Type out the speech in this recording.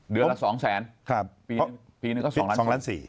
เดือนละ๒๐๐๐๐๐ปีหนึ่งก็๒๔๐๐๐๐๐